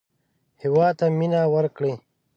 هېواد ته مېنه وکړئ